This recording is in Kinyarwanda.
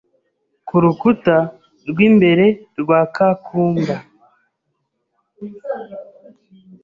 ku rukuta rw’imbere rwa ka kumba.